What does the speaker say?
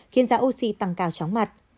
khiến giá oxy tăng cao chóng mặt